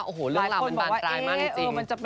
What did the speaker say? โอ้โฮเรื่องราวมันบันตรายมากจริงนะครับโอ้โฮหลายคนบอกว่าเอ๊ะ